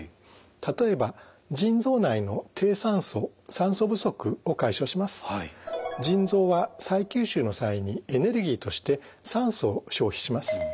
例えば腎臓は再吸収の際にエネルギーとして酸素を消費します。